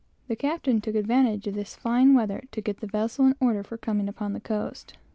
The captain took advantage of this fine weather to get the vessel in order for coming upon the coast.